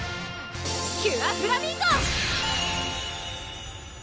キュアフラミンゴ！